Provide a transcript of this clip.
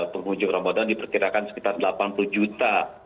penghujung ramadan diperkirakan sekitar delapan puluh juta